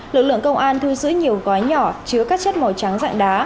lực lượng công an thu giữ nhiều gói nhỏ chứa các chất màu trắng dạng đá